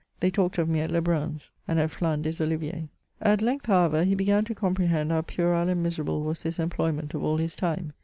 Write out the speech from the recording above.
"They talked of me at Lebrun's, and at Flins des Oliviers'." At length, however, he began to comprehend how puerile and miserable was this employment of all his time.